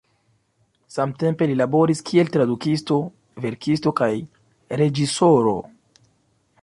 Samtempe li laboris kiel tradukisto, verkisto kaj reĝisoro.